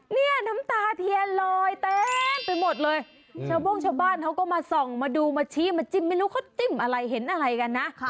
นี่น้ำตาเทียนลอยเต็มไปหมดเลยชาวโบ้งชาวบ้านเขาก็มาส่องมาดูมาชี้มาจิ้มไม่รู้เขาจิ้มอะไรเห็นอะไรกันนะ